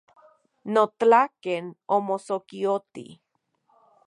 Notlaken omosokioti.